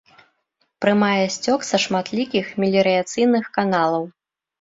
Прымае сцёк са шматлікіх меліярацыйных каналаў.